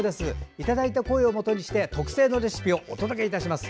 いただいた声を基にして特製のレシピをお届けします。